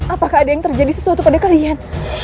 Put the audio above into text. apakah ada yang terjadi sesuatu pada kalian